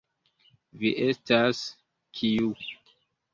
Vi estas, kiu.